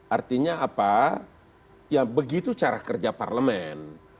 artinya apa ya begitu cara kerja parlemen